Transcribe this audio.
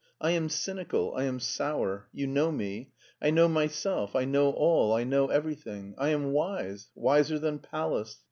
"I am cynical. I am sour. You know me. I know myself, I know all, I know everything — ^I am wise, wiser than Pallas.